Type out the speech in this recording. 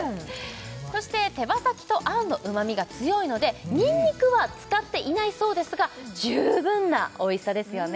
そして手羽先とあんのうまみが強いのでニンニクは使っていないそうですが十分なおいしさですよね